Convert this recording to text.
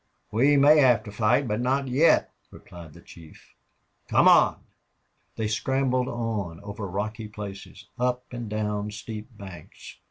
"We may have to fight, but not yet," replied the chief. "Come on." They scrambled on over rocky places, up and down steep banks.